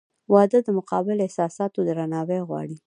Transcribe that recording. • واده د متقابل احساساتو درناوی غواړي.